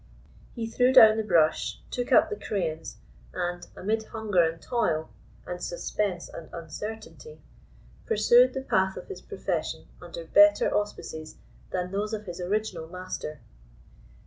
He threw down the brush took up the crayons, and, amid hunger and toil, and suspense and uncertainty, pursued the path of his profession under better auspices than those of his original master.